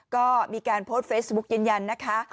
ก็มีการโพสต์เฟซบุ๊กยืนยันนะคะ